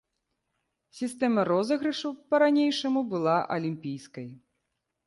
Сістэма розыгрышу па-ранейшаму была алімпійскай.